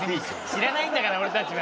知らないんだから俺たちは。